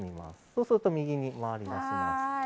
そうすると右に回ります。